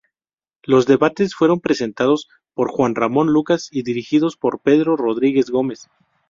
Los debates fueron presentados por Juan Ramón Lucas y dirigidos por Pedro Rodríguez Gómez.